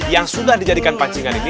yang sudah dijadikan pancingan ini